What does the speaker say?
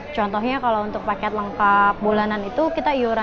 contohnya kalau untuk paket lengkap paket bayi paket persekolah